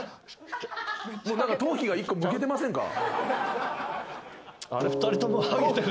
何か頭皮が１個むけてませんか？